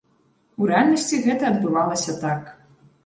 У рэальнасці гэта адбывалася так.